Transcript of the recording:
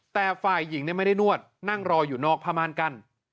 แต่ฝ่ายหญิงไม่ได้นวดนั่งรออยู่นอกผ้าม่านกั้น